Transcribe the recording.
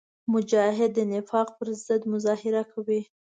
مجاهد د نفاق پر ضد مبارزه کوي.